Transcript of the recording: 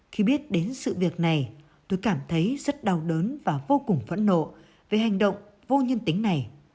khi biết đến sự việc này tôi cảm thấy rất đau đớn và vô cùng phẫn nộ về hành động vô nhân tính này